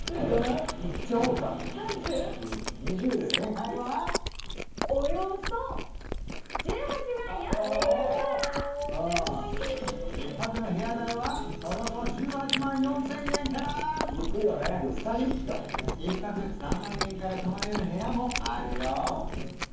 いっちゃおうか正解は１泊の部屋代はおよそ１８万４０００円から１泊３万円から泊まれる部屋もあるよ